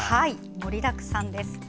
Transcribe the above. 盛りだくさんです。